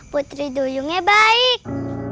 putri duyungnya baik